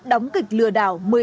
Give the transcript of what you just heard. đóng kịch lừa đảo